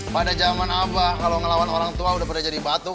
pada zaman abah kalau melawan orang tua sudah pernah jadi batu